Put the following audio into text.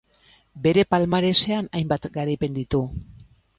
Bere palmaresean hainbat garaipen ditu.